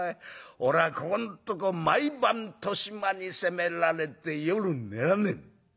俺はここんとこ毎晩年増にせめられて夜寝らんねえ」。